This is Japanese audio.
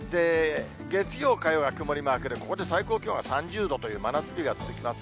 月曜、火曜は曇りマークで、ここで最高気温が３０度という真夏日が続きます。